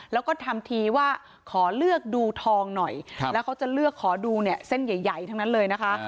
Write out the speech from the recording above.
แล้วก็ทำทีว่าขอเลือกดูทองหน่อยแล้วเขาจะเลือกขอดูเนี่ยเส้นใหญ่ทั้งนั้นเลยนะคะ